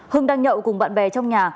hưng đang nhậu cùng bạn bè trong nhà